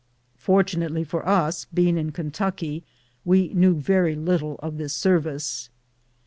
Fortunately for us, being in Kentucky, we knew very little of this service.